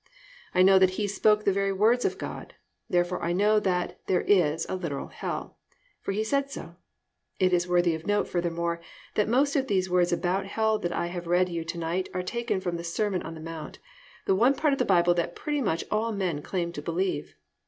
I know that He spoke the very words of God, therefore I know that there is a literal hell, for He said so. It is worthy of note, furthermore, that most of these words about hell that I have read you to night are taken from the Sermon on the Mount, the one part of the Bible that pretty much all men claim to believe.